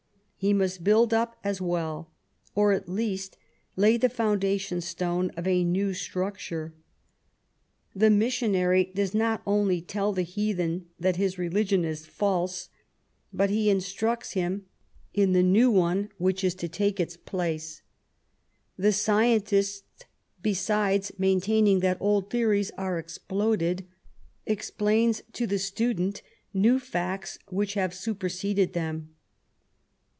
He must build up as well, or at least lay the foundation stone of a new struc ture. The missionary does not only tell the heathen that his religion is false, but he instructs him in the 94 MAEY W0LL8T0NECBAFT GODWIN. new one which is to take its place. The scientist^ besides maintaining that old theories are exploded^ explains to the student new facts which have super ^ seded them.